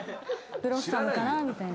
ブロッサムかなみたいな。